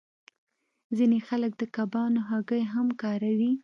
ځینې خلک د کبانو هګۍ هم کاروي